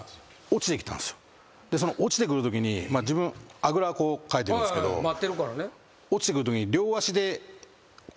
落ちてくるときに自分あぐらかいてるんですけど落ちてくるときに。